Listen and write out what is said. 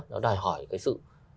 nó đòi hỏi cái sự